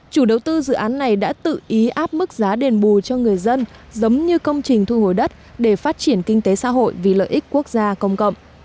chủ đầu tư dự án này đã tự ý áp mức giá đền bù cho người dân giống như công trình thu hồi đất để phát triển kinh tế xã hội vì lợi ích quốc gia công cộng